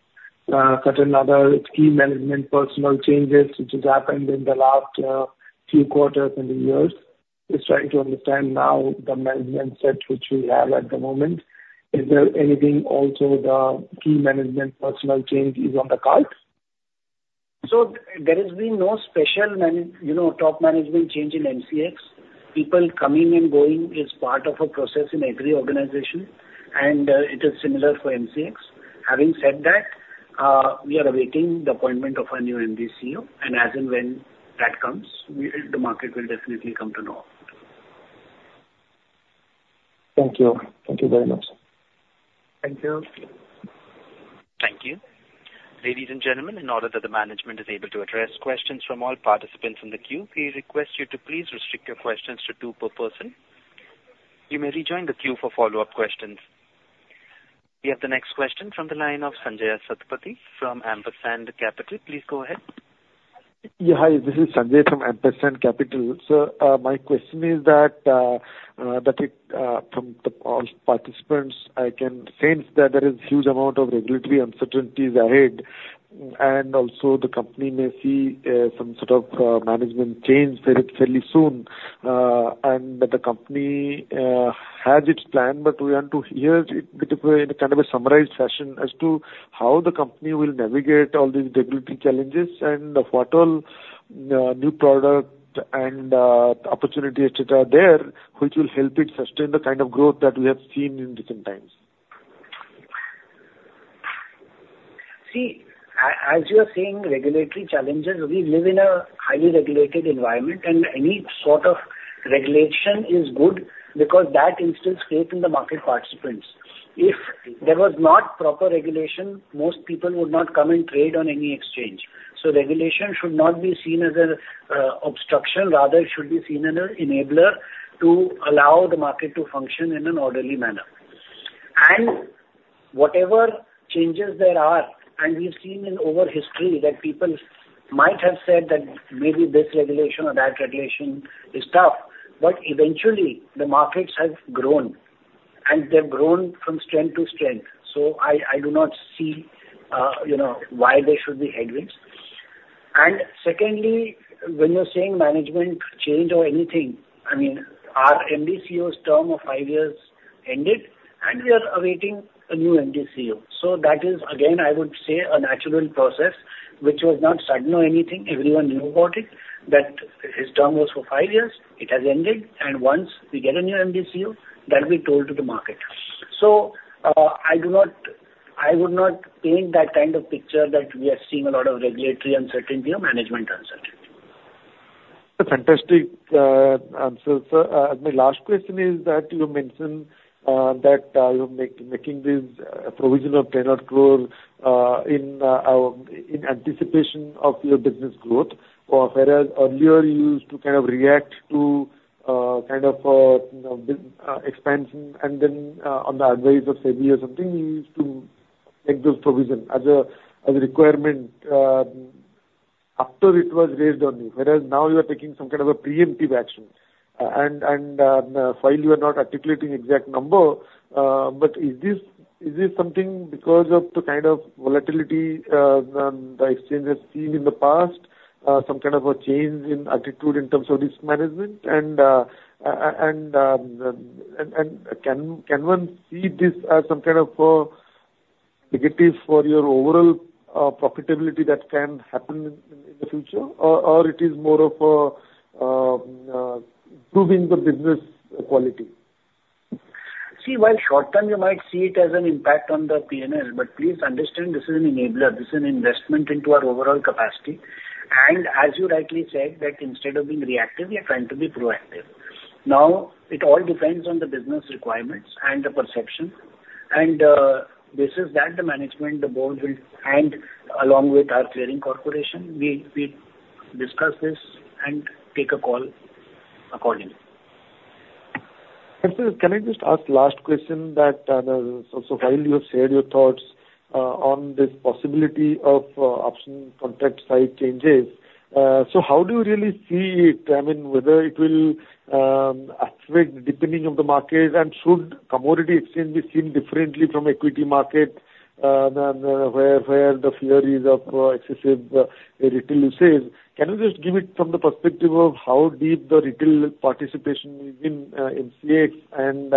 certain other key management personnel changes which have happened in the last few quarters and years. Just trying to understand now the management set which we have at the moment. Is there anything also the key management personnel change is on the cards? There has been no special top management change in MCX. People coming and going is part of a process in every organization, and it is similar for MCX. Having said that, we are awaiting the appointment of our new MD CEO, and as and when that comes, the market will definitely come to know. Thank you. Thank you very much. Thank you. Thank you. Ladies and gentlemen, in order that the management is able to address questions from all participants in the queue, we request you to please restrict your questions to two per person. You may rejoin the queue for follow-up questions. We have the next question from the line of Sanjay Sathe from Ampersand Capital. Please go ahead. Yeah. Hi. This is Sanjay from Ampersand Capital. So my question is that from all participants, I can sense that there is a huge amount of regulatory uncertainties ahead, and also the company may see some sort of management change fairly soon, and that the company has its plan. But we want to hear a bit of a kind of a summarized session as to how the company will navigate all these regulatory challenges and what all new product and opportunities, etc., are there which will help it sustain the kind of growth that we have seen in recent times. See, as you are seeing regulatory challenges, we live in a highly regulated environment, and any sort of regulation is good because that instills faith in the market participants. If there was not proper regulation, most people would not come and trade on any exchange. So regulation should not be seen as an obstruction. Rather, it should be seen as an enabler to allow the market to function in an orderly manner. And whatever changes there are, and we've seen in over history that people might have said that maybe this regulation or that regulation is tough, but eventually, the markets have grown, and they've grown from strength to strength. So I do not see why there should be headwinds. And secondly, when you're saying management change or anything, I mean, our MD CEO's term of five years ended, and we are awaiting a new MD CEO. So that is, again, I would say a natural process which was not sudden or anything. Everyone knew about it that his term was for five years. It has ended, and once we get a new MD CEO, that will be told to the market. So I would not paint that kind of picture that we are seeing a lot of regulatory uncertainty or management uncertainty. Fantastic answers. My last question is that you mentioned that you're making this provisional 10 or 12 in anticipation of your business growth, whereas earlier you used to kind of react to kind of expansion, and then on the advice of SEBI or something, you used to make those provisions as a requirement after it was raised on you, whereas now you are taking some kind of a preemptive action. And while you are not articulating exact number, but is this something because of the kind of volatility the exchange has seen in the past, some kind of a change in attitude in terms of risk management? And can one see this as some kind of negative for your overall profitability that can happen in the future, or it is more of improving the business quality? See, while short term, you might see it as an impact on the P&L, but please understand this is an enabler. This is an investment into our overall capacity. As you rightly said, that instead of being reactive, we are trying to be proactive. Now, it all depends on the business requirements and the perception. Based on that, the management, the board, and along with our clearing corporation, we discuss this and take a call accordingly. Can I just ask the last question that so while you have shared your thoughts on this possibility of option contract side changes, so how do you really see it? I mean, whether it will affect depending on the market, and should commodity exchange be seen differently from equity market where the fear is of excessive retail usage? Can you just give it from the perspective of how deep the retail participation is in MCX, and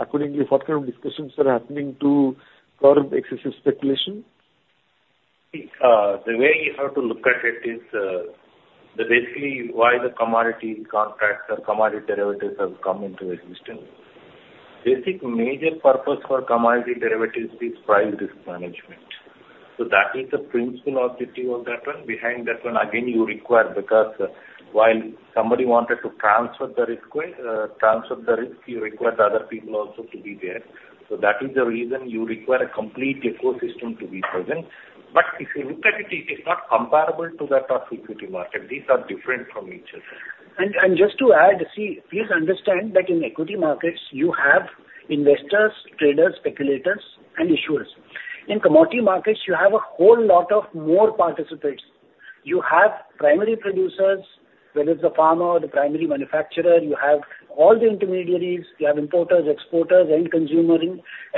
accordingly, what kind of discussions are happening to curb excessive speculation? The way you have to look at it is basically why the commodity contracts or commodity derivatives have come into existence. Basic major purpose for commodity derivatives is price risk management. So that is the principal objective of that one. Behind that one, again, you require because while somebody wanted to transfer the risk, you require the other people also to be there. So that is the reason you require a complete ecosystem to be present. But if you look at it, it is not comparable to that of equity market. These are different from each other. And just to add, see, please understand that in equity markets, you have investors, traders, speculators, and issuers. In commodity markets, you have a whole lot of more participants. You have primary producers, whether it's a farmer or the primary manufacturer. You have all the intermediaries. You have importers, exporters, end consumers,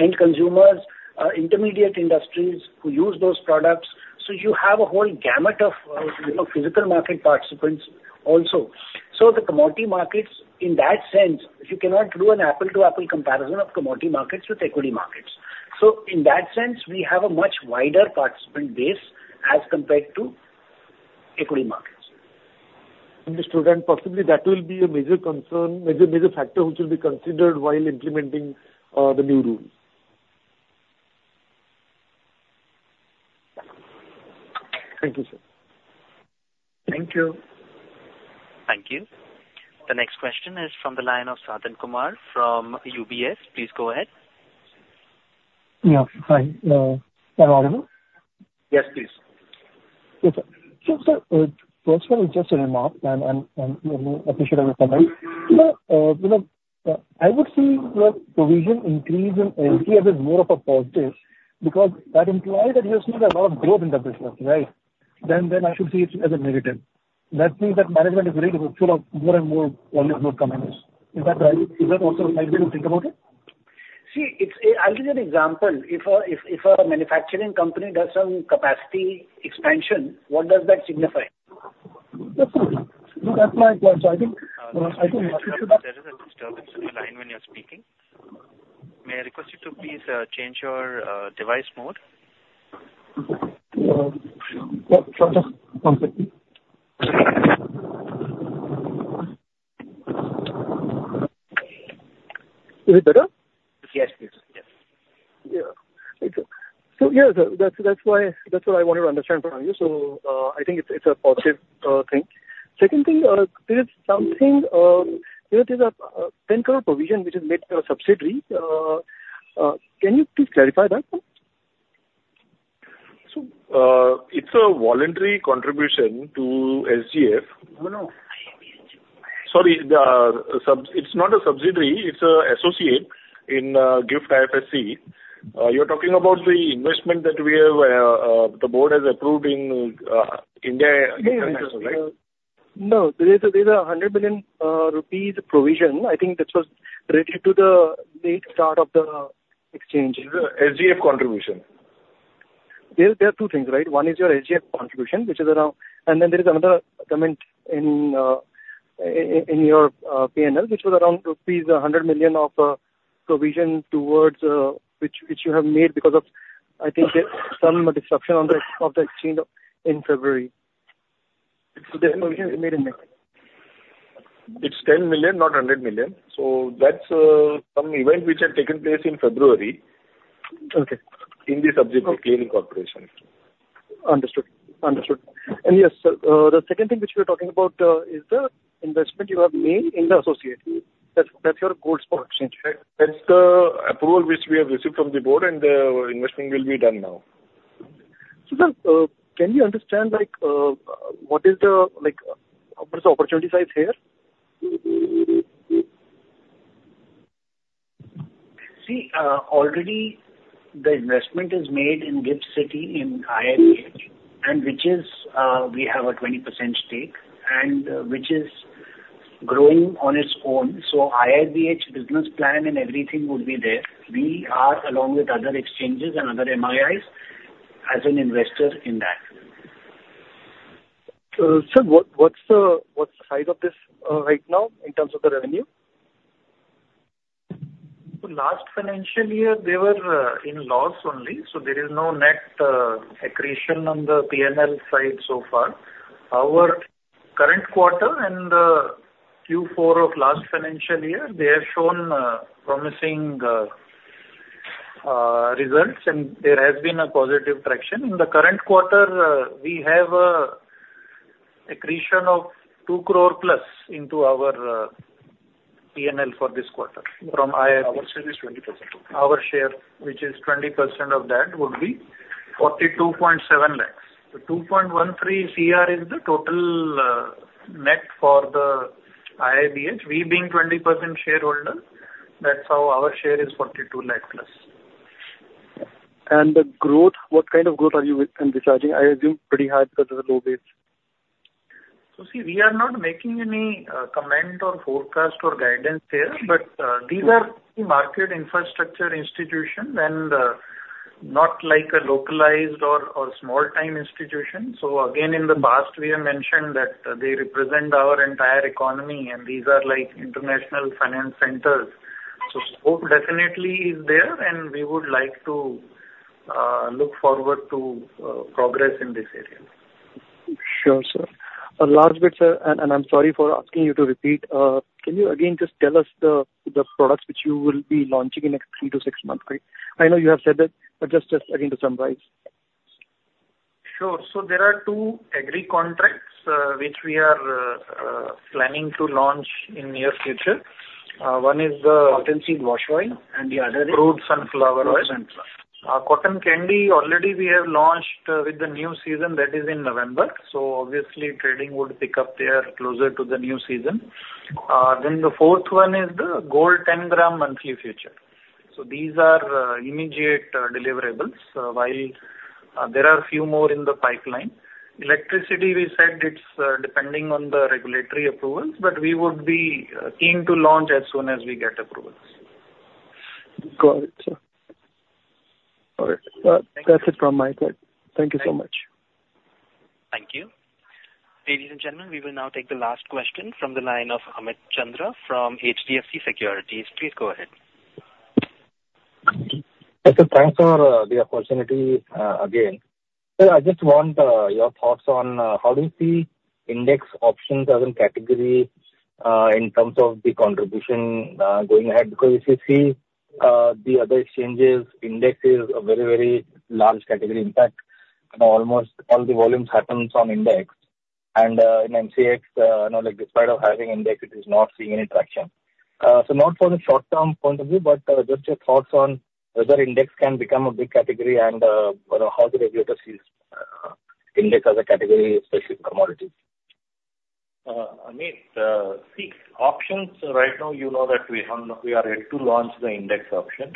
intermediate industries who use those products. So you have a whole gamut of physical market participants also. So the commodity markets, in that sense, you cannot do an apples-to-apples comparison of commodity markets with equity markets. So in that sense, we have a much wider participant base as compared to equity markets. Mr. Rand, possibly that will be a major factor which will be considered while implementing the new rules. Thank you, sir. Thank you. Thank you. The next question is from the line of Sathan Kumar from UBS. Please go ahead. Yeah. Hi. Can I order? Yes, please. Yes, sir. First, just a remark, and I appreciate every comment. I would see provision increase in MCX as more of a positive because that implies that you're seeing a lot of growth in the business, right? I should see it as a negative. That means that management is ready to move forward with more and more valuable companies. Is that right? Is that also a way to think about it? See, I'll give you an example. If a manufacturing company does some capacity expansion, what does that signify? That's my point. So I think. There is a disturbance in your line when you're speaking. May I request you to please change your device mode? Yeah. Shut off. One second. Is it better? Yes, please. Yes. Yeah. So yeah, sir, that's what I wanted to understand from you. So I think it's a positive thing. Second thing, there is a 10 crore provision which is made to a subsidiary. Can you please clarify that? It's a voluntary contribution to SGF. No, no. Sorry. It's not a subsidiary. It's an associate in GIFT IFSC. You're talking about the investment that the board has approved in India, right? No, there is a 100 million rupees provision. I think this was related to the late start of the exchange. SGF contribution. There are two things, right? One is your SGF contribution, which is around and then there is another comment in your P&L, which was around rupees 100 million of provision towards which you have made because of, I think, some disruption of the exchange in February. So the provision is made in May. It's 10 million, not 100 million. So that's some event which had taken place in February in this subsidiary, clearing corporation. Understood. Understood. And yes, sir, the second thing which we're talking about is the investment you have made in the associate. That's your gold spot exchange. That's the approval which we have received from the board, and the investment will be done now. Sir, can you understand what is the opportunity size here? See, already the investment is made in GIFT City in IIBX, and which is we have a 20% stake and which is growing on its own. So IIBX business plan and everything would be there. We are, along with other exchanges and other MIIs, as an investor in that. Sir, what's the height of this right now in terms of the revenue? Last financial year, they were in loss only. So there is no net accretion on the P&L side so far. Our current quarter and Q4 of last financial year, they have shown promising results, and there has been a positive traction. In the current quarter, we have an accretion of 2 crore plus into our P&L for this quarter from IIBX. Our share is 20% of that. Our share, which is 20% of that, would be ₹42.7 lakhs. So 2.13 CR is the total net for the IIBX. We being 20% shareholder, that's how our share is ₹42 lakh plus. The growth, what kind of growth are you envisaging? I assume pretty high because of the low base. So see, we are not making any comment or forecast or guidance here, but these are market infrastructure institutions and not like a localized or small-time institution. So again, in the past, we have mentioned that they represent our entire economy, and these are like international finance centers. So scope definitely is there, and we would like to look forward to progress in this area. Sure, sir. Last bit, sir, and I'm sorry for asking you to repeat. Can you again just tell us the products which you will be launching in the next 3-6 months? I know you have said that, but just again to summarize. Sure. So there are 2 agri contracts which we are planning to launch in the near future. One is the Cottonseed Wash Oil, and the other is Crude Sunflower Oil. Cotton Candy, already we have launched with the new season that is in November. So obviously, trading would pick up there closer to the new season. Then the fourth one is the Gold 10-gram Monthly Future. So these are immediate deliverables while there are a few more in the pipeline. Electricity, we said it's depending on the regulatory approvals, but we would be keen to launch as soon as we get approvals. Got it, sir. All right. That's it from my side. Thank you so much. Thank you. Ladies and gentlemen, we will now take the last question from the line of Amit Chandra from HDFC Securities. Please go ahead. Thanks for the opportunity again. Sir, I just want your thoughts on how do you see index options as a category in terms of the contribution going ahead? Because if you see the other exchanges, index is a very, very large category. In fact, almost all the volumes happen on index. And in MCX, despite having index, it is not seeing any traction. So not for the short-term point of view, but just your thoughts on whether index can become a big category and how the regulator sees index as a category, especially commodities. Amit, see, options right now, you know that we are ready to launch the index options.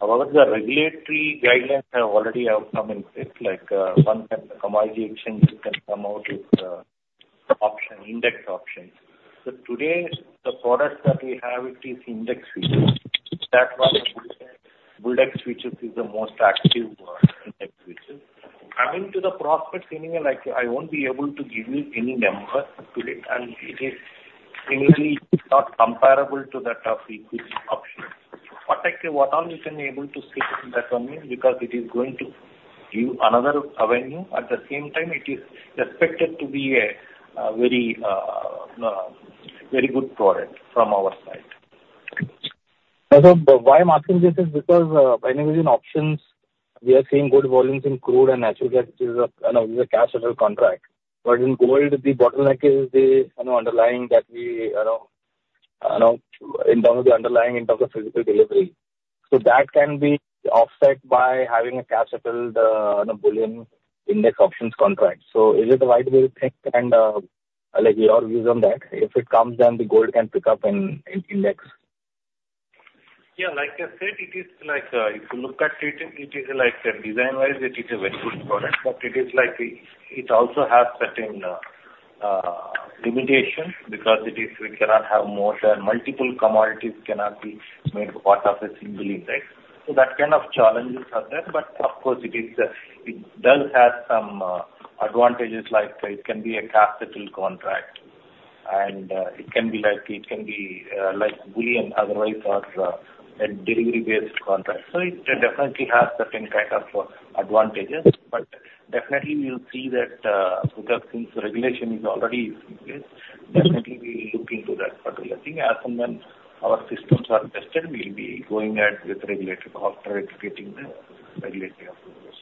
However, the regulatory guidelines have already come out in place, like one commodity exchange can come out with index options. So today, the product that we have is index futures. That one, Bulldex futures is the most active index futures. Coming to the prospects, I won't be able to give you any number to it, and it is clearly not comparable to that of equity options. But actually, what all we can be able to see is that one because it is going to give another avenue. At the same time, it is expected to be a very good product from our side. Why I'm asking this is because by any reason, options, we are seeing good volumes in crude and natural gas as a cash-settled contract. But in gold, the bottleneck is the underlying in terms of physical delivery. So that can be offset by having a cash-settled bullion index options contract. So is it a right way to take and your views on that? If it comes, then the gold can pick up in index. Yeah. Like I said, it is like if you look at it, it is like design-wise, it is a very good product, but it is like it also has certain limitations because we cannot have more than multiple commodities cannot be made part of a single index. So that kind of challenges are there. But of course, it does have some advantages like it can be a cash settled contract, and it can be like bullion, otherwise, or a delivery-based contract. So it definitely has certain kind of advantages. But definitely, we'll see that because since the regulation is already in place, definitely, we'll look into that. But I think as and when our systems are tested, we'll be going ahead with regulatory after educating the regulatory officers.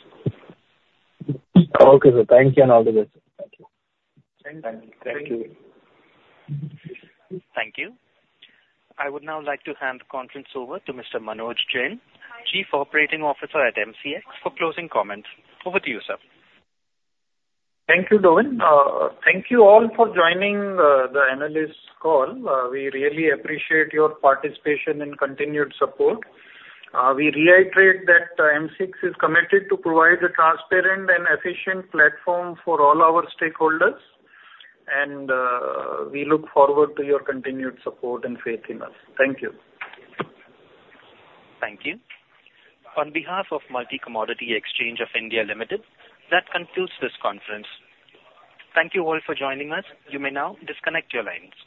Okay. So thank you and all the best. Thank you. Thank you. Thank you. I would now like to hand the conference over to Mr. Manoj Jain, Chief Operating Officer at MCX, for closing comments. Over to you, sir. Thank you, Darwin. Thank you all for joining the analyst call. We really appreciate your participation and continued support. We reiterate that MCX is committed to provide a transparent and efficient platform for all our stakeholders, and we look forward to your continued support and faith in us. Thank you. Thank you. On behalf of Multi Commodity Exchange of India Limited, that concludes this conference. Thank you all for joining us. You may now disconnect your lines.